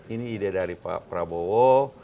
ini ide dari pak prabowo